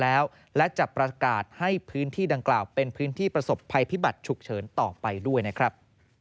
แล้วและจะประกาศให้พื้นที่ดังกล่าวเป็นพื้นที่ประสบภัยพิบัติฉุกเฉินต่อไปด้วยนะครับ